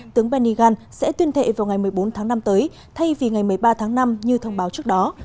tướng benny gantz sẽ tuyên thệ vào ngày một mươi bốn tháng năm tới thay vì ngày một mươi ba tháng năm như thông báo trước đó